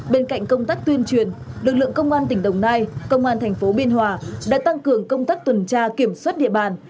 bên cạnh công tác tuyên truyền lực lượng công an tỉnh đồng nai công an thành phố biên hòa đã tăng cường công tác tuần tra kiểm soát địa bàn